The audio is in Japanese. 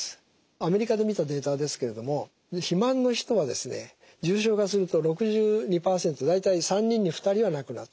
アメリカで見たデータですけれども肥満の人はですね重症化すると６２％大体３人に２人は亡くなった。